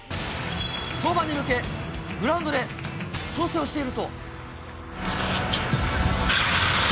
登板に向け、グラウンドで調整をしていると。